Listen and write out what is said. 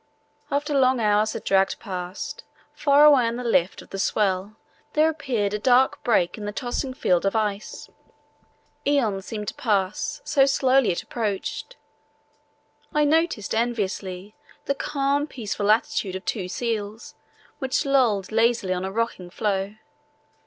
After long hours had dragged past, far away on the lift of the swell there appeared a dark break in the tossing field of ice. Æons seemed to pass, so slowly it approached. I noticed enviously the calm peaceful attitudes of two seals which lolled lazily on a rocking floe.